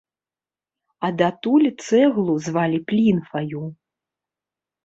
А датуль цэглу звалі плінфаю.